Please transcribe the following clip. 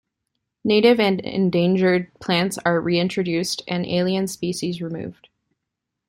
Native and endangered plants are reintroduced and alien species removed.